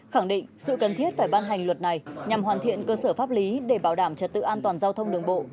khẳng định sự cần thiết phải ban hành luật này nhằm hoàn thiện cơ sở pháp lý để bảo đảm trật tự an toàn giao thông đường bộ